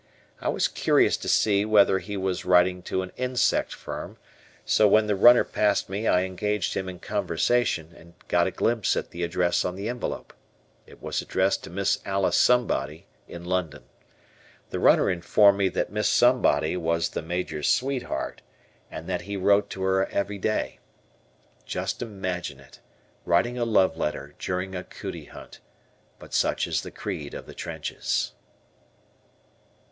I was curious to see whether he was writing to an insect firm, so when the runner passed me I engaged him in conversation and got a glimpse at the address on the envelope. It was addressed to Miss Alice Somebody, in London. The "runner" informed me that Miss Somebody was the major's sweetheart and that he wrote to her every day. Just imagine it, writing a love letter during a "cootie" hunt; but such is the creed of the trenches.